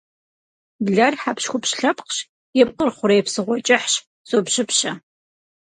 Блэр хьэпщхупщ лъэпкъщ, и пкъыр хъурей псыгъуэ кӏыхьщ, зопщыпщэ.